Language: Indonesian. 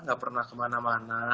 gak pernah kemana mana